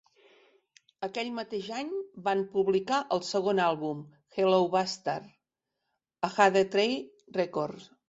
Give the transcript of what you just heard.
Aquell mateix any, van publicar el segon àlbum, "Hello Bastards" a Jade Tree Records.